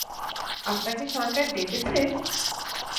আপনাকে সরকার ডেকেছে?